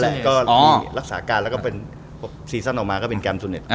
แล้วก็รัสสาการเซสันออกมาก็เป็นแกรมซูเจ็ต